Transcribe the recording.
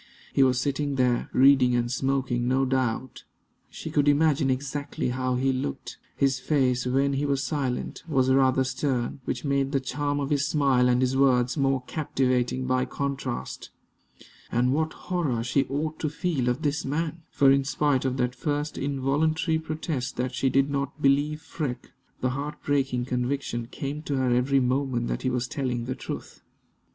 He was sitting there, reading and smoking, no doubt. She could imagine exactly how he looked. His face, when he was silent, was rather stern, which made the charm of his smile and his words more captivating by contrast. And what horror she ought to feel of this man! for, in spite of that first involuntary protest that she did not believe Freke, the heart breaking conviction came to her every moment that he was telling the truth.